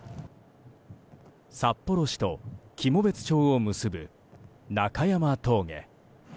札幌市と喜茂別町を結ぶ中山峠。